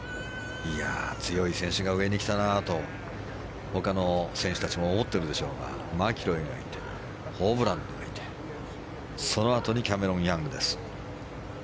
強い選手が上に来たなと他の選手たちも思っているでしょうがマキロイがいてホブランもいてそのあとにキャメロン・ヤングです。